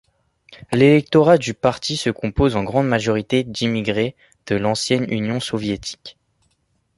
L'électorat du parti se compose en grande majorité d'immigrés de l'ancienne union soviétique.